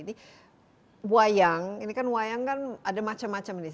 ini wayang ini kan wayang kan ada macam macam ini